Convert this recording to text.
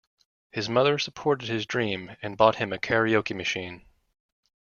His mother supported his dream and bought him a karaoke machine.